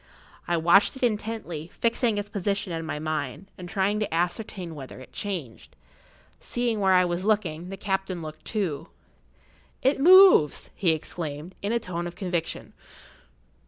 I watched it intently, fixing its position in my mind, and trying to ascertain whether it changed. Seeing where I was looking, the captain looked too. "It moves!" he exclaimed, in a tone of conviction.